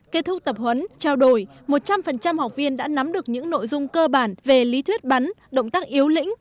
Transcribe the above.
kết thúc tập huấn trao đổi một trăm linh học viên đã nắm được những nội dung cơ bản về lý thuyết bắn động tác yếu lĩnh